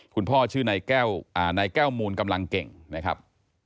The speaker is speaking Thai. พ่อชื่อนายแก้วมูลกำลังเก่งนะครับ